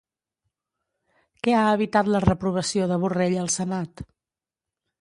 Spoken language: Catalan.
Què ha evitat la reprovació de Borrell al senat?